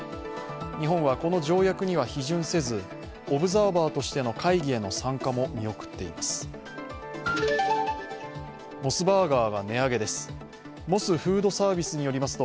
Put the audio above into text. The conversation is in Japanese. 日本はこの条約には批准せずオブザーバーとしての会議への参加も見送っています。